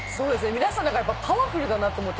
皆さん、パワフルだなと思って。